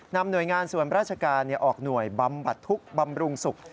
หน่วยงานส่วนราชการออกหน่วยบำบัดทุกข์บำรุงสุข